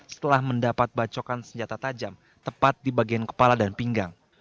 setelah mendapat bacokan senjata tajam tepat di bagian kepala dan pinggang